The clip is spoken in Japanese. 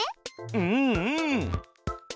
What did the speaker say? うんうん！